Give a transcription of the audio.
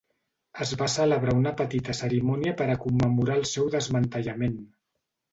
Es va celebrar una petita cerimònia per a commemorar el seu desmantellament.